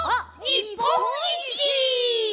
にっぽんいち！！」